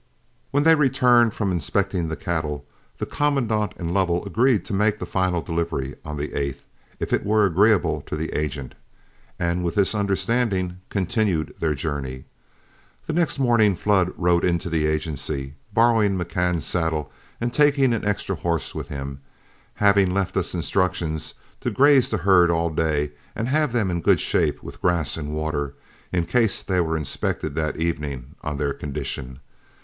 When they returned from inspecting the cattle, the commandant and Lovell agreed to make the final delivery on the 8th, if it were agreeable to the agent, and with this understanding continued their journey. The next morning Flood rode into the agency, borrowing McCann's saddle and taking an extra horse with him, having left us instructions to graze the herd all day and have them in good shape with grass and water, in case they were inspected that evening on their condition.